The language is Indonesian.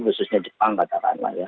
khususnya jepang katakanlah ya